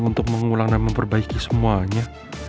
untuk mengulang dan memperbaiki semuanya